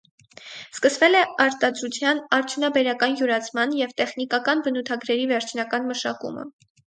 Սկսվել է արտադրության արդյունաբերական յուրացման և տեխնիկական բնութագրերի վերջնական մշակումը։